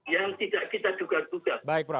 yang tidak kita duga duga